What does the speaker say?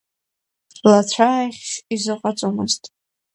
Лацәааихьшь изыҟаҵомызт.